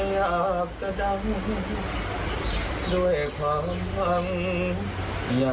อยากจะเป็นดาวร้าย